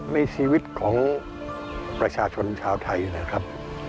ในชีวิตของประชาชนชาวไทยนะครับ